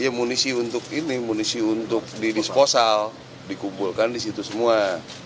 ya munisi untuk ini munisi untuk didisposal dikumpulkan di situ semua